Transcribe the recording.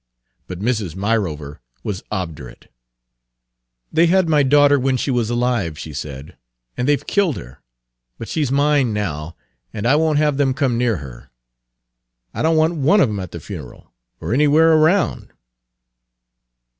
But Mrs. Myrover was obdurate. Page 282 "They had my daughter when she was alive," she said, "and they've killed her. But she 's mine now, and I won't have them come near her. I don't want one of them at the funeral or anywhere around."